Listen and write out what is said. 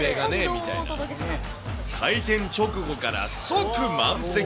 開店直後から即満席。